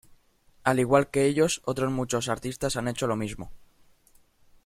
Al igual que ellos, otros muchos artistas han hecho lo mismo.